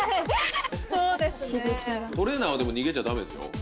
トレーナーはでも逃げちゃダメでしょ？